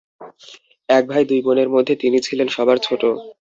এক ভাই দুই বোনের মধ্যে তিনি ছিলেন সবার ছোট।